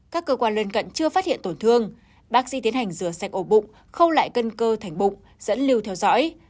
các cơ quan lân cận chưa phát hiện tổn thương bác sĩ tiến hành rửa sạch ổ bụng khâu lại cân cơ thành bụng dẫn lưu theo dõi